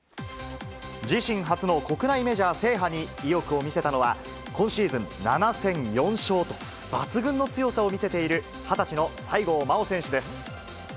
自身初の国内メジャー制覇に意欲を見せたのは、今シーズン、７戦４勝と抜群の強さを見せている２０歳の西郷真央選手です。